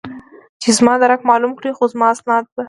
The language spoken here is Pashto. چې زما درک معلوم کړي، خو زما اسناد به.